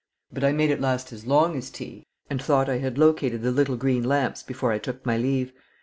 "But I made it last as long as tea, and thought I had located the little green lamps before I took my leave.